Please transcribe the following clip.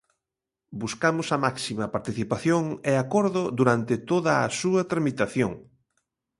Buscamos a máxima participación e acordo durante toda a súa tramitación.